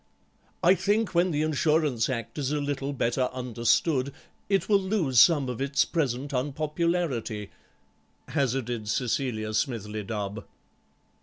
"I think when the Insurance Act is a little better understood it will lose some of its present unpopularity," hazarded Cecilia Smithly Dubb.